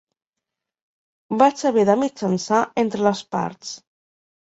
Vaig haver de mitjançar entre les parts.